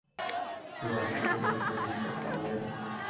পিয়ানোটা কে বাজাতেন, mister Carlyle?